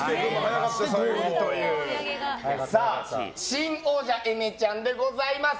新王者、えめちゃんでございます。